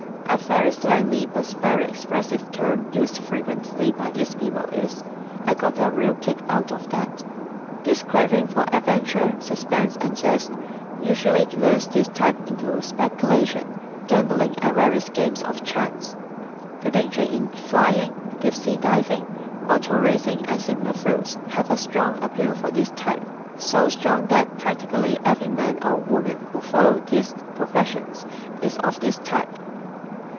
A very slangy but very expressive term used frequently by these people is, "I got a real kick out of that." This craving for adventure, suspense and zest often lures this type into speculation, gambling and various games of chance. The danger in flying, deep sea diving, auto racing and similar fields has a strong appeal for this type so strong that practically every man or woman who follows these professions is of this type.